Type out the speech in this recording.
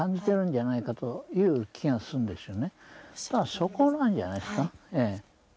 そこなんじゃないんですか。